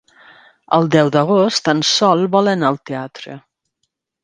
El deu d'agost en Sol vol anar al teatre.